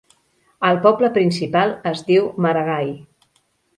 El poble principal es diu Maragai.